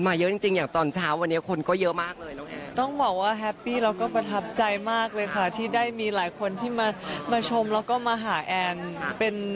พัดมีหนึ่งพันห่อมาแจกให้ทุกคน